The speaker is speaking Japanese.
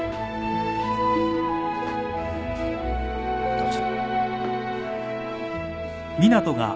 どうぞ。